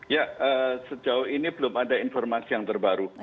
ya sejauh ini belum ada informasi yang terbaru